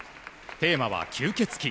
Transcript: テーマは吸血鬼。